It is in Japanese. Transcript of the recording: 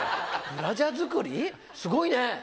すごいね。